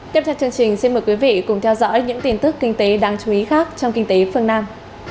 tiếp theo chương trình xin mời quý vị cùng theo dõi những tin tức kinh tế đáng chú ý khác trong kinh tế phương nam